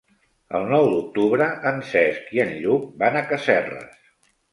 El nou d'octubre en Cesc i en Lluc van a Casserres.